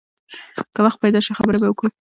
که وخت پیدا شي، خبرې به وکړو.